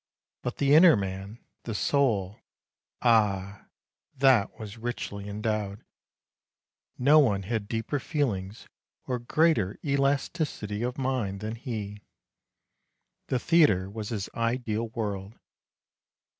But the inner man, the soul, ah, that was richly endowed. No one had deeper feelings or greater elasticity of mind than he. The theatre was his ideal world.